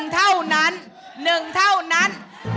เท่านั้น๑เท่านั้น